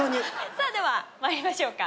さあではまいりましょうか。